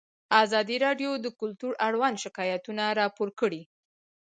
ازادي راډیو د کلتور اړوند شکایتونه راپور کړي.